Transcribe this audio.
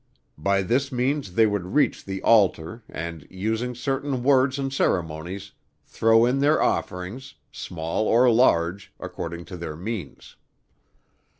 By this means they would reach the altar and, using certain words and ceremonies, throw in their offerings, small or large, according to their means.